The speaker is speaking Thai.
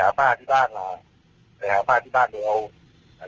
เอาไปหาป้าที่พ้าน่า